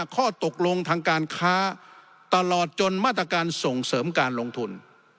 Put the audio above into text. ข้อตกลงทางการค้าตลอดจนมาตรการส่งเสริมการลงทุน